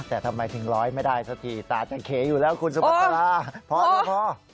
แต่ทำไมถึงร้อยไม่ได้สักทีตาจะเขอยู่แล้วคุณสุภาษาพอ